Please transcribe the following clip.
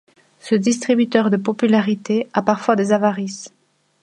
Ce distributeur de popularité a parfois des avarices.